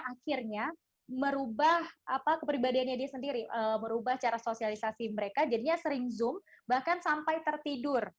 akhirnya merubah kepribadiannya dia sendiri merubah cara sosialisasi mereka jadinya sering zoom bahkan sampai tertidur